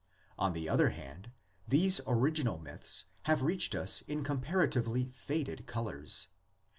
On the other hand, these original myths have reached us in com paratively faded colors.